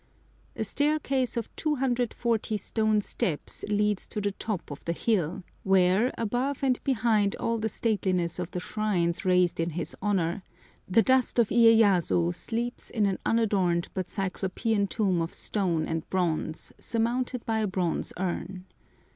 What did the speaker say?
A staircase of 240 stone steps leads to the top of the hill, where, above and behind all the stateliness of the shrines raised in his honour, the dust of Iyéyasu sleeps in an unadorned but Cyclopean tomb of stone and bronze, surmounted by a bronze urn.